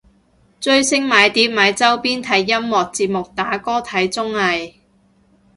追星買碟買周邊睇音樂節目打歌睇綜藝